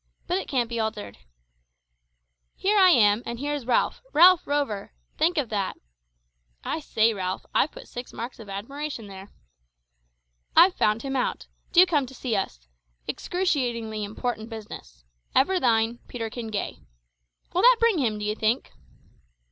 But it can't be altered, `Here I am, and here's Ralph Ralph Rover!!!!!! think of that,' (I say, Ralph, I've put six marks of admiration there); `I've found him out. Do come to see us. Excruciatingly important business. Ever thine Peterkin Gay.' Will that bring him, d'ye think?"